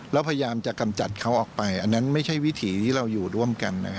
แล้วพยายามจะกำจัดเขาออกไปอันนั้นไม่ใช่วิถีที่เราอยู่ร่วมกัน